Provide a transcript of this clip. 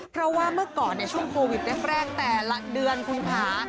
เพราะว่าเมื่อก่อนช่วงโควิดแรกแต่ละเดือนคุณค่ะ